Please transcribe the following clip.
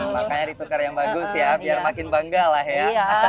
makanya ditukar yang bagus ya biar makin bangga lah ya